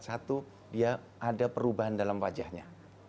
satu dia ada perubahan dalam wajahnya